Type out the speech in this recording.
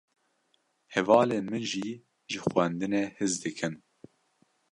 Hevalên min jî ji xwendinê hez dikin.